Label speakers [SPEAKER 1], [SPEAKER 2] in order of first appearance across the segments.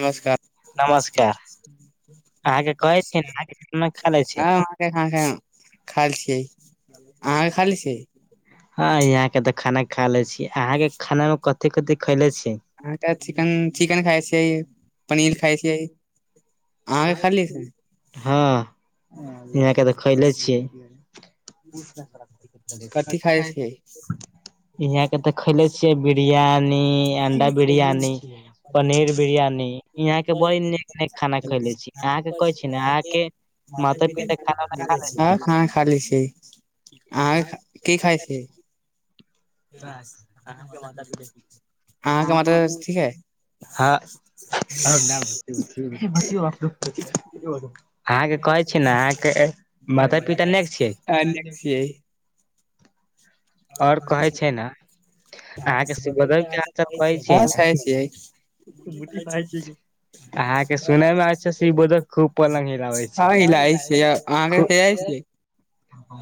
[SPEAKER 1] नमस्कार [unintelligible]
[SPEAKER 2] नमस्कार
[SPEAKER 1] खाय
[SPEAKER 2] अहाँके कहै छी ने अहाँके खाना खा
[SPEAKER 1] छियै
[SPEAKER 2] ले छी
[SPEAKER 1] अहाँ के खाी छ [unintelligible]
[SPEAKER 2] हँ यहाँ के तऽ खाना खा ले छी अहाँके खाना मे कथि कथि खैले छी
[SPEAKER 1] अहाँके चिकन चिकन खाय छियै पनीर खाय छियै अहाँके खाली
[SPEAKER 2] हँ इहके तऽ खैले छियै
[SPEAKER 1] कथी खाय छिय
[SPEAKER 2] यहाँ के तऽ खैले छियै बिरियानी अंडा बिरियानी पनीर बिरियानी ई यहाँ के बने ने खाना खैले छी अहाँके
[SPEAKER 1] पा
[SPEAKER 2] कहै छी ने अहाँके माता पिता खाना उना खा ले छी
[SPEAKER 1] हँ खाना खी छै [unintelligible] अहाँ की खाय छियै आहाँके मात त ठीक है ह [inaudible] [inaudible]
[SPEAKER 2] बियापर [unintelligible] अहाँके कहै छी न अहाँके माता पित ने के छियै
[SPEAKER 1] छियै
[SPEAKER 2] ओर कहे छै ने अहाँके सिबोदर कहै छियै ने
[SPEAKER 1] [inaudible] [inaudible]
[SPEAKER 2] मुटी भइ छै अहाँके सुनय मे अब छै से ई बो खूब पंल्ग हिलाबै
[SPEAKER 1] हँ हिलाइ छियै अहाँके खियाइ
[SPEAKER 2] छै
[SPEAKER 1] छियै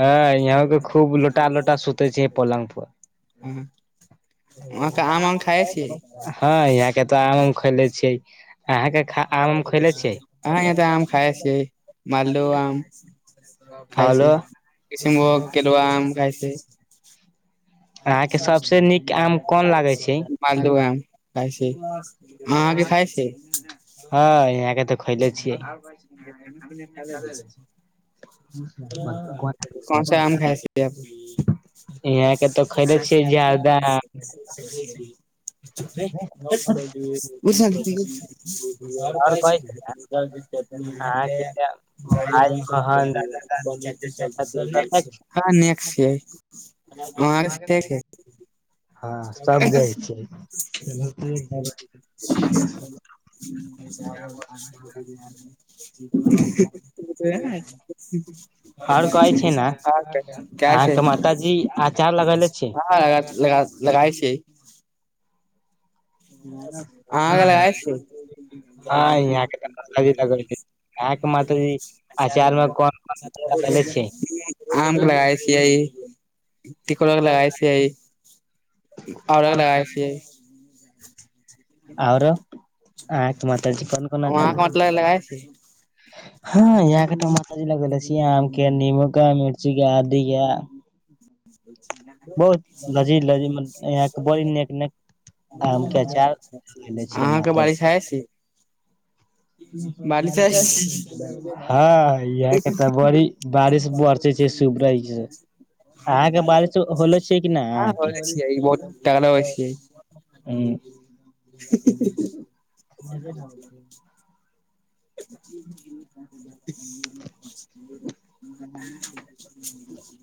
[SPEAKER 2] हँ इ [unintelligible] खूब लोटा लोटा सुूतै छ पलङ् पूआ
[SPEAKER 1] हँ [unintelligible] छियै
[SPEAKER 2] हँ कतऽ आम उम खैले छियै अहाँके आम उम खैले छियै
[SPEAKER 1] मालो आम खाय छै
[SPEAKER 2] हेलो
[SPEAKER 1] किसिम भोग आम केलआ आम खायसै
[SPEAKER 2] अहाँके सबसे नीक आम कोन लागे छै
[SPEAKER 1] मालदआम खाई छि हँ आगे खाय छि
[SPEAKER 2] हँ यहाँके तऽ खयले छियै
[SPEAKER 1] कोन सा आम खाइ
[SPEAKER 2] यहाँ के तऽ
[SPEAKER 1] [inaudible] [inaudible] कह [unintelligible]
[SPEAKER 2] खैले छियै जादा आओर कहै छै अहाँके भाय बहन
[SPEAKER 1] ह न छिय [inaudible] [unintelligible] हँर ठ छै [inaudible] [unintelligible]
[SPEAKER 2] हँ सब देख छै
[SPEAKER 1] [unintelligible] [unintelligible] [unintelligible] [unintelligible] ठीक [unintelligible] ह
[SPEAKER 2] आओर कहै छै ने
[SPEAKER 1] क छै ह
[SPEAKER 2] अहाँके माताजी अचार लगेले छी
[SPEAKER 1] [inaudible] [unintelligible] लगा लगा छियै आहाँग लगए छी
[SPEAKER 2] हँ यहाँ के तऽ माताजी लगेले अहाँके माताजी अचार मे कोन कोन लगेले छी
[SPEAKER 1] आमके लइ सआइ [unintelligible]
[SPEAKER 2] [unintelligible] [inaudible]
[SPEAKER 1] तिक लगा छिय आउर लगाय छिय [unintelligible] [inaudible]
[SPEAKER 2] आरो आहाँ माता जी कोन कोन
[SPEAKER 1] वहाँ
[SPEAKER 2] झाल
[SPEAKER 1] के मतलब लगाय छी
[SPEAKER 2] हँ इ त [inaudible] [unintelligible] ी ल लस्सी आम के नमू का मिर्ची क आदीे [unintelligible]
[SPEAKER 1] [inaudible]
[SPEAKER 2] लजीज लजीज यहाँ के बड़ी नीक
[SPEAKER 1] [inaudible]
[SPEAKER 2] नीक आम के अचार लगेले छियै
[SPEAKER 1] अहाँके
[SPEAKER 2] माताजी
[SPEAKER 1] बारिश ह छी बारिश आय
[SPEAKER 2] [unintelligible]
[SPEAKER 1] छी
[SPEAKER 2] [inaudible] हँ यह के तऽ बड़ी बारिश ब सूप्राज छै
[SPEAKER 1] आे
[SPEAKER 2] अहाँके
[SPEAKER 1] बाल
[SPEAKER 2] बारिश होले छै कि
[SPEAKER 1] [unintelligible]
[SPEAKER 2] नहि
[SPEAKER 1] हँ हो
[SPEAKER 2] अहाँके
[SPEAKER 1] छिय बहुत ाक लबै छिय [unintelligible]
[SPEAKER 2] मजे नहि होत [unintelligible] [unintelligible]
[SPEAKER 1] जी जी [unintelligible] [unintelligible]